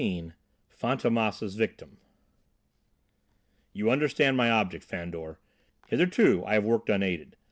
XVIII FANTÔMAS' VICTIM "You understand my object, Fandor? Hitherto I have worked unaided.